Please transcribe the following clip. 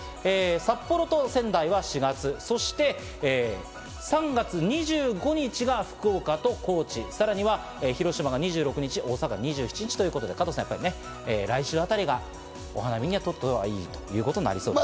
札幌と仙台は４月、そして３月２５日が福岡と高知、さらには広島が２６日、大阪２７日、来週あたりがお花見にとってはいいということになりそうです。